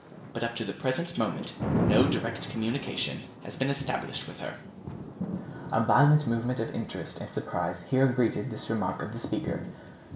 But up to the present moment no direct communication has been established with her." A violent movement of interest and surprise here greeted this remark of the speaker.